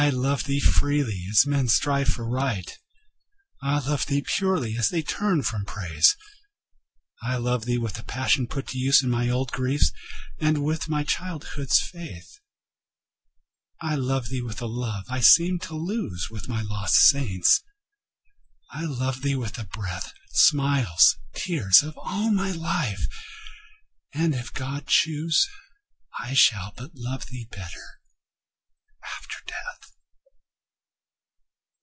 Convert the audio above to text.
I love thee freely, as men strive for Right; I love thee purely, as they turn from Praise. I love thee with the passion put to use In my old griefs, and with my childhood's faith. I love thee with a love I seemed to lose With my lost saints,—I love thee with the breath, Smiles, tears, of all my life!—and, if God choose, I shall but love thee better after death.